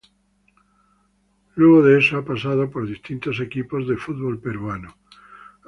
Luego de eso ha pasado por distintos equipos del fútbol peruano.